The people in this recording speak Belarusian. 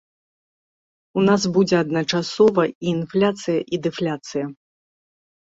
У нас будзе адначасова і інфляцыя, і дэфляцыя.